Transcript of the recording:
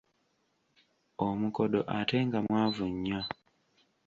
Omukodo ate nga mwavu nnyo.